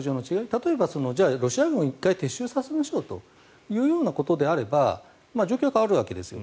例えばロシア軍を１回撤収させましょうというようなことであれば状況は変わるわけですよ。